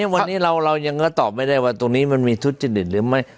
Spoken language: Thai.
วันนี้เรายังก็ตอบไม่ได้ว่าตรงนี้มันมีทุจริตหรือไม่